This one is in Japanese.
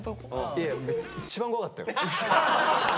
いや一番怖かったよ。